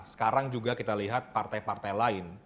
sekarang juga kita lihat partai partai lain